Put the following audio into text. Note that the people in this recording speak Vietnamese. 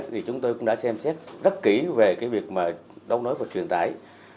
thì chúng tôi cũng đã xem xét rất kỹ về cái việc mà đấu nối và truyền tải